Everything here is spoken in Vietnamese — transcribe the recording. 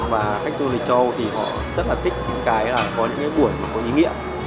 và khách du lịch châu thì họ rất là thích những cái là có những cái buổi mà có ý nghĩa